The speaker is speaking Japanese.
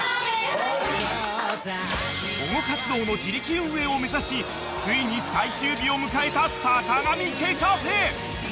［保護活動の自力運営を目指しついに最終日を迎えたさかがみ家カフェ］